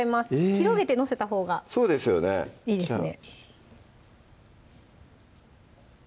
広げて載せたほうがそうですよねいいですね